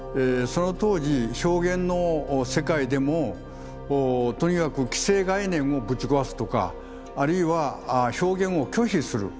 その当時表現の世界でもとにかく既成概念をぶち壊すとかあるいは表現を拒否する。